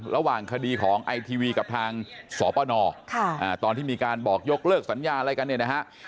ระหว่างคดีของไอทีวีกับทางสปนตอนที่มีการบอกยกเลิกสัญญาอะไรกันเนี่ยนะฮะ